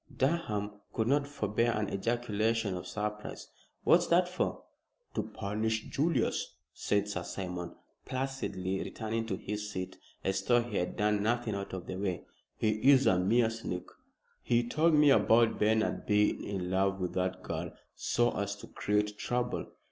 Durham could not forbear an ejaculation of surprise, "What's that for?" "To punish Julius," said Sir Simon, placidly returning to his seat, as though he had done nothing out of the way. "He is a mean sneak. He told me about Bernard being in love with that girl so as to create trouble."